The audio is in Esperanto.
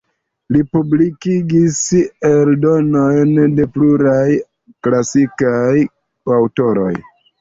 Li publikigis eldonojn de pluraj klasikaj aŭtoroj.